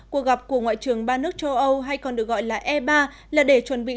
cuộc gặp của ngoại trưởng ba nước châu âu hay còn được gọi là e ba là để chuẩn bị